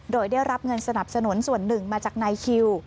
โดยได้รับเงินสนับสนุนส่วนหนึ่งมาจากนายคิว